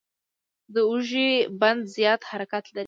د اوږې بند زیات حرکت لري.